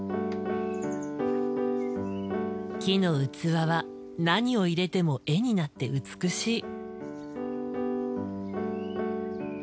木の器は何を入れても絵になって美しい。